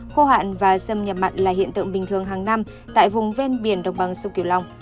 khô hạn và xâm nhập mặn là hiện tượng bình thường hàng năm tại vùng ven biển đồng bằng sông kiều long